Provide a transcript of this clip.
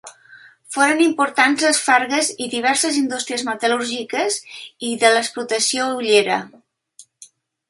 Foren importants les fargues i diverses indústries metal·lúrgiques, i l'explotació hullera.